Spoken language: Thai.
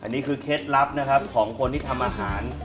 นี่คือเคล็ดลับนะครับของคนที่ทำอาหาร